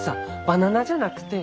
バナナじゃなくて。